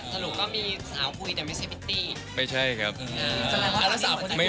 สรุปก็มีสาวคุยแต่ไม่ใช่พริตตี้